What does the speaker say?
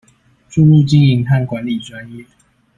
注入經營和管理專業